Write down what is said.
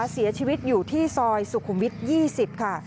เสียชีวิตอยู่ที่ซอยสุขุมวิท๒๐ค่ะ